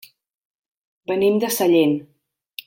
Venim de Sallent.